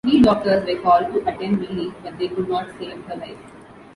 Three doctors were called to attend Millie, but they could not save her life.